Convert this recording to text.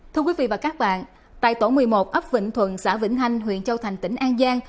thưa quý vị và các bạn tại tổ một mươi một ấp vĩnh thuận xã vĩnh thanh huyện châu thành tỉnh an giang